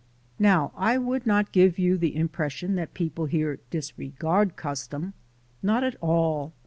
Now I would not give you the im pression that people here disregard custom. Not at all.